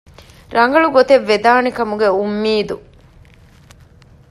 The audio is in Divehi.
ރަނގަޅު ގޮތެއް ވެދާނެ ކަމުގެ އުންމީދު